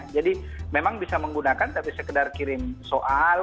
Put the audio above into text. jadi memang bisa menggunakan tapi sekedar kirim soal